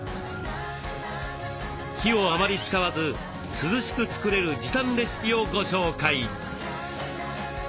火をあまり使わず涼しく作れる時短レシピをご紹介。